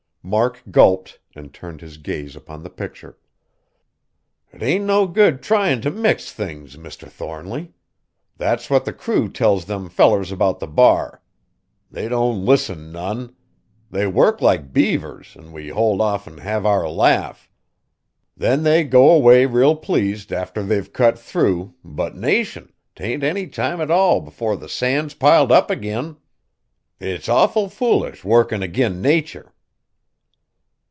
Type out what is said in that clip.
Mark gulped and turned his gaze upon the picture. "'T ain't no good tryin' t' mix things, Mr. Thornly. That's what the crew tells them fellers 'bout the bar. They don't listen none. They work like beavers, an' we hold off an' have our laugh. Then they go away real pleased after they've cut through, but nation! 't ain't any time 't all 'fore the sand's piled up agin. It's awful foolish workin' agin Nater."